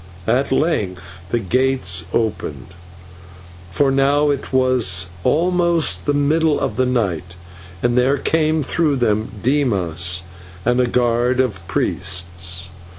At length the gates opened, for now it was almost the middle of the night, and there came through them Dimas and a guard of priests.